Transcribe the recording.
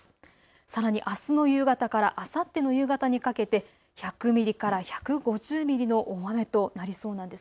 さらに、あすの夕方からあさっての夕方にかけて１００ミリから１５０ミリの大雨となりそうです。